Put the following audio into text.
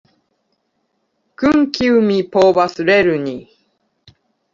Kun kiu mi povas lerni